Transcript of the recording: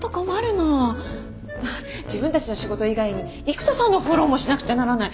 自分たちの仕事以外に育田さんのフォローもしなくちゃならない。